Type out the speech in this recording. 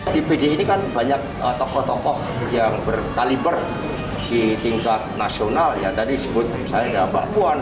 di pdi ini kan banyak tokoh tokoh yang berkaliber di tingkat nasional ya tadi disebut misalnya mbak puan